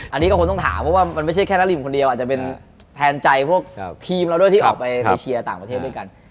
อันนี้ก็คงต้องถามเพราะว่ามันไม่ใช่แค่นาริมคนเดียวอาจจะเป็นแทนใจพวกทีมเราด้วยที่ออกไปเชียร์ต่างประเทศด้วยกัน